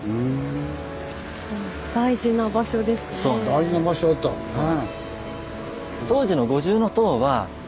大事な場所だったんだね。